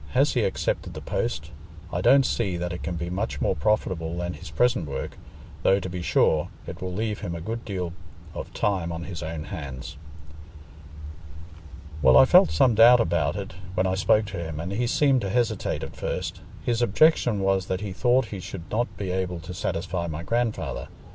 Has he accepted the post? I don't see that it can be much more profitable than his present work, though, to be sure, it will leave him a good deal of time on his own hands. "Well, I felt some doubt about it when I spoke to him and he seemed to hesitate at first. His objection was that he thought he should not be able to satisfy my grandfather.